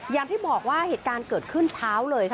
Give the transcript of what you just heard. อย่างที่บอกว่าเหตุการณ์เกิดขึ้นเช้าเลยค่ะ